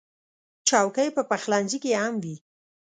چوکۍ په پخلنځي کې هم وي.